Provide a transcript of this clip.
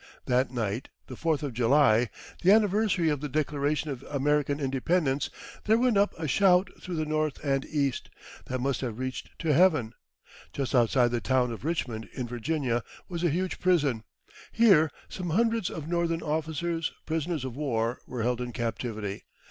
That night, the Fourth of July, the anniversary of the Declaration of American Independence, there went up a shout through the North and East that must have reached to heaven. Just outside the town of Richmond, in Virginia, was a huge prison. Here some hundreds of Northern officers, prisoners of war, were held in captivity.